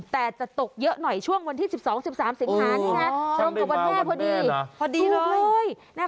แต่จะตกเยอะหน่อยช่วงวันที่๑๒๑๓สิงหานี่ไงตรงกับวันแม่พอดีพอดีเลย